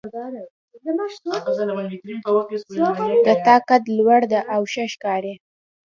د تا قد لوړ ده او ښه ښکاري